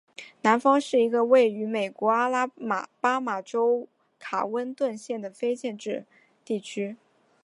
南方是一个位于美国阿拉巴马州卡温顿县的非建制地区。